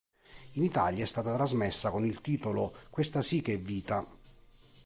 In Italia è stata trasmessa con il titolo "Questa sì che è vita".